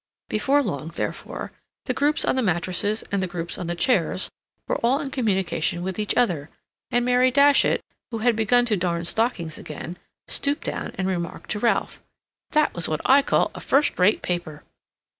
Before long, therefore, the groups on the mattresses and the groups on the chairs were all in communication with each other, and Mary Datchet, who had begun to darn stockings again, stooped down and remarked to Ralph: "That was what I call a first rate paper."